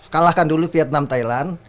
kalahkan dulu vietnam thailand